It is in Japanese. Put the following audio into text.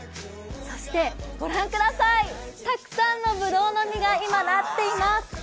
そして、たくさんのぶどうの実が今なっています。